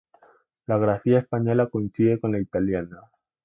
La grafía española coincide con la italiana.